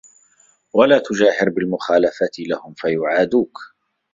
وَلَا تُجَاهِرْهُمْ بِالْمُخَالَفَةِ لَهُمْ فَيُعَادُوك